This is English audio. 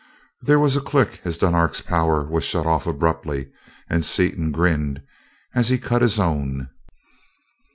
There was a click as Dunark's power was shut off abruptly, and Seaton grinned as he cut his own.